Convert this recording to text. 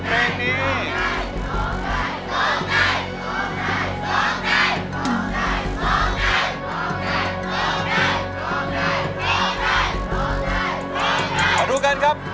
ก็โทษทุกคนครับ